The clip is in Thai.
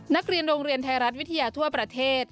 นักเรียนโรงเรียนไทยรัฐวิทยาทั่วประเทศ